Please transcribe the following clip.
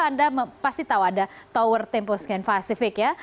anda pasti tahu ada tower tempo scan pacific ya